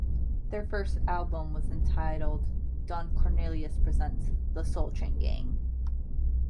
Their first album was entitled Don Cornelius Presents The Soul Train Gang.